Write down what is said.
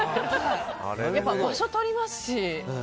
やっぱ場所取りますし。